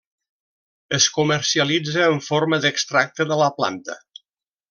Es comercialitza en forma d'extracte de la planta.